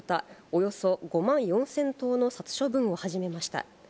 およそ５万４０００頭の殺処分を始めました。